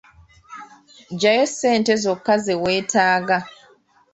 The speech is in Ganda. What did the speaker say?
Ggyayo ssente zokka ze weetaaga